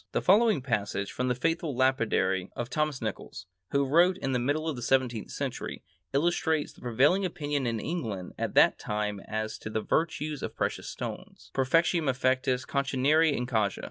The following passage from the "Faithful Lapidary" of Thomas Nicols, who wrote in the middle of the seventeenth century, illustrates the prevailing opinion in England at that time as to the virtues of precious stones: _Perfectionem effectûs contineri in causa.